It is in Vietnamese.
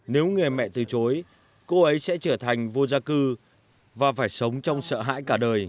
nếu người mẹ từ chối cô ấy sẽ trở thành vô gia cư và phải sống trong sợ hãi cả đời